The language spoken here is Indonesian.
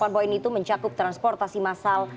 delapan poin itu mencakup transportasi massal